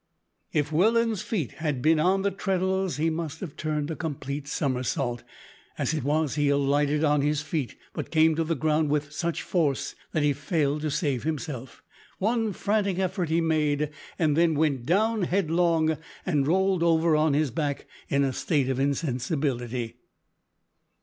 If Welland's feet had been on the treadles he must have turned a complete somersault. As it was he alighted on his feet, but came to the ground with such force that he failed to save himself. One frantic effort he made and then went down headlong and rolled over on his back in a state of insensibility.